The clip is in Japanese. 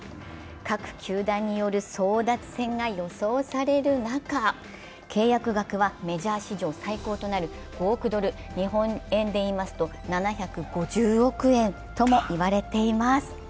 各球団による争奪戦が予想される中契約額はメジャー史上最高となる５億ドル、日本円で言いますと７５０億円とも言われています。